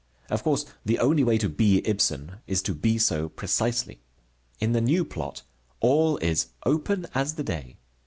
Of course the only way to be Ibsen is to be so precisely. In the new plot all is open as the day.